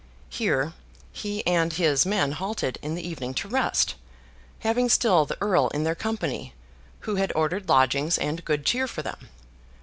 Here, he and his men halted in the evening to rest, having still the Earl in their company; who had ordered lodgings and good cheer for them.